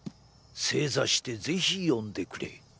正座してぜひ読んでくれ」。